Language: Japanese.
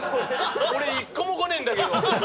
俺一個もこねえんだけど。